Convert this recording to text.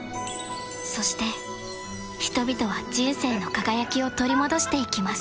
そして人々は人生の輝きを取り戻していきます